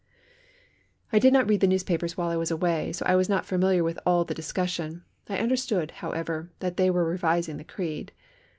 I did not read the newspapers while I was away so I was not familiar with all the discussion. I understood, however, that they were revising the creed.